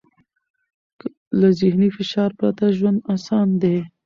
له ذهني فشار پرته ژوند اسان دی.